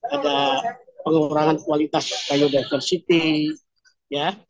ada pengurangan kualitas biodiversity ya